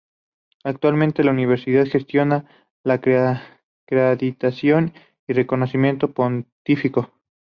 Actualmente la universidad gestiona la acreditación y reconocimiento pontificio.